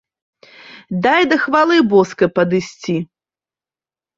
Дай да хвалы боскай падысці.